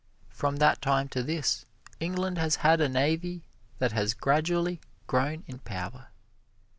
From that time to this, England has had a navy that has gradually grown in power.